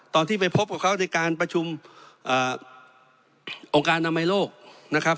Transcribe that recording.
ตอนที่ไปพบกับเขาในการประชุมองค์การอนามัยโลกนะครับ